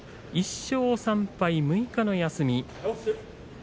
１勝３敗６日の休み。